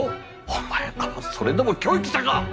お前らはそれでも教育者か！